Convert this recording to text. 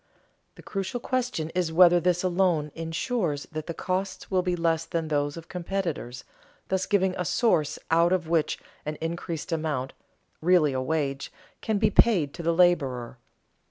The crucial question is whether this alone insures that the costs will be less than those of competitors, thus giving a source out of which an increased amount, really a wage, can be paid to the laborer.